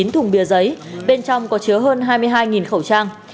chín thùng bia giấy bên trong có chứa hơn hai mươi hai khẩu trang